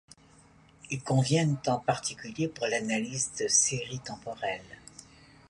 Ils conviennent en particulier pour l'analyse de séries temporelles.